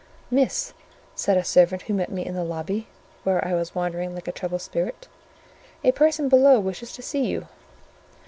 "Miss," said a servant who met me in the lobby, where I was wandering like a troubled spirit, "a person below wishes to see you."